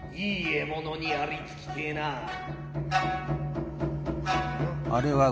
いい獲物にありつきてぇなぁ。